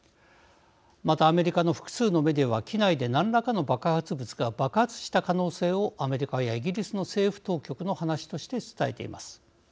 またアメリカの複数のメディアは機内で何らかの爆発物が爆発した可能性をアメリカやイギリスの政府当局の話として伝えています。